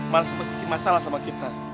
malah sempat bikin masalah sama kita